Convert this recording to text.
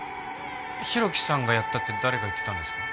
浩喜さんがやったって誰が言ってたんですか？